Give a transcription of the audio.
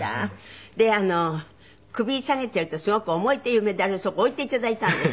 で首にさげているとすごく重いというメダルそこ置いて頂いたんです。